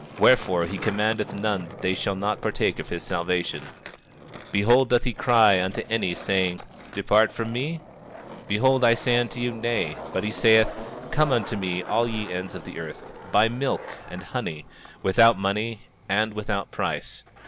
Wherefore, he commandeth none that they shall not partake of his salvation. 26:25 Behold, doth he cry unto any, saying: Depart from me? Behold, I say unto you, Nay; but he saith: Come unto me all ye ends of the earth, buy milk and honey, without money and without price.